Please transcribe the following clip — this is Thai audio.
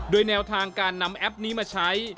โดยแนวทางการนำแอปนี้มาใช้